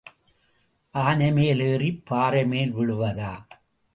ஆனைமேல் ஏறிப் பாறை மேல் விழுவதா?